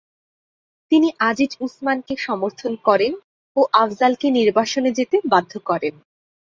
তিনি আজিজ উসমানকে সমর্থন করেন ও আফযালকে নির্বাসনে যেতে বাধ্য করেন।